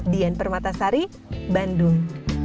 dian permatasari bandung